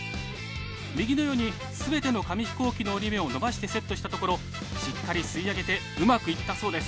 右のように全ての紙飛行機の折り目を伸ばしてセットしたところしっかり吸い上げてうまくいったそうです。